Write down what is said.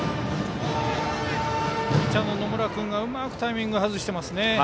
ピッチャーの野村君がうまくタイミングを外しています。